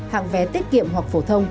hàng vé tiết kiệm hoặc phổ thông